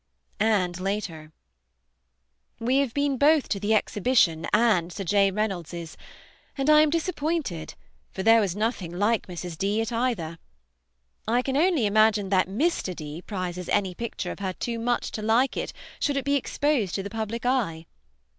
And later: "We have been both to the exhibition and Sir J. Reynolds'; and I am disappointed, for there was nothing like Mrs. D. at either. I can only imagine that Mr. D. prizes any picture of her too much to like it should be exposed to the public eye.